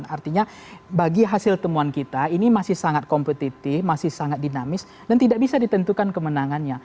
artinya bagi hasil temuan kita ini masih sangat kompetitif masih sangat dinamis dan tidak bisa ditentukan kemenangannya